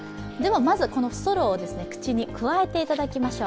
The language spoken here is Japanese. このストローを口にくわえていただきましょう。